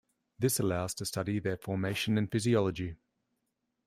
This allows to study their formation and physiology.